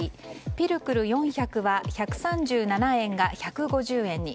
ピルクル４００は１３７円が１５０円に。